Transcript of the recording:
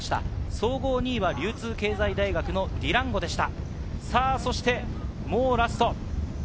総合２位は流通経済大学のディランゴでした。